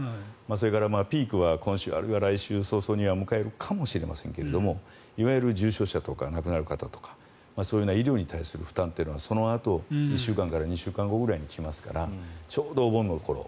それからピークは今週それから来週早々には迎えるかもしれませんが重症者とか亡くなる方とかそういう医療に対する負担はそのあと１週間から２週間後くらいに来ますからちょうどお盆の頃。